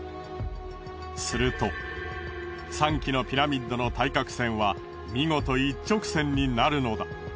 すると３基のピラミッドの対角線は見事一直線になるのだ。